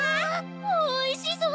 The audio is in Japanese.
おいしそう！